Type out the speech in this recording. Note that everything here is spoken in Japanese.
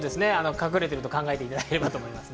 隠れてると考えていただければと思います。